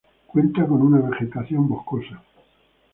Cuenta con una vegetación boscosa.